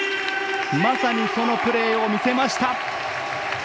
まさにそのプレーを見せました！